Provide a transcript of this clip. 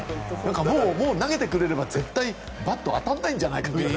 もう投げてくれれば絶対バット当たらないんじゃないかという。